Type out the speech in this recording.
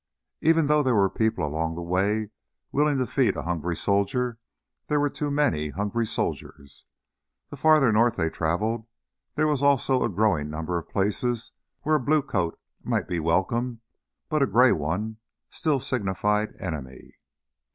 Even though there were people along the way willing to feed a hungry soldier, there were too many hungry soldiers. The farther north they traveled there was also a growing number of places where a blue coat might be welcome, but a gray one still signified "enemy."